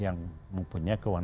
yang mempunyai keuangan